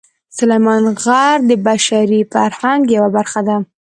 سلیمان غر د بشري فرهنګ یوه برخه ده.